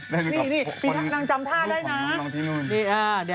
นี่นางจำท่าได้นะ